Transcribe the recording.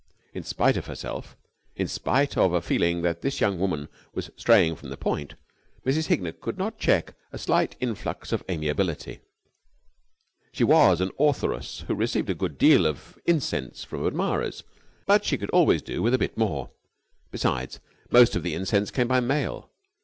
In spite of herself, in spite of a feeling that this young woman was straying from the point, Mrs. Hignett could not check a slight influx of amiability. She was an authoress who received a good deal of incense from admirers, but she could always do with a bit more. Besides, most of the incense came by mail.